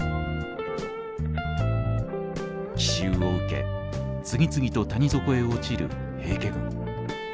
奇襲を受け次々と谷底へ落ちる平家軍。